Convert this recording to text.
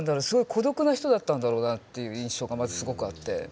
すごい孤独な人だったんだろうなっていう印象がまずすごくあって。